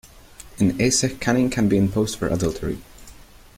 In Aceh caning can be imposed for adultery.